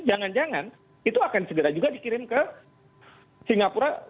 jangan jangan itu akan segera juga dikirim ke singapura